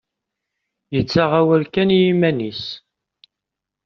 Yettaɣ awal kan i yiman-is.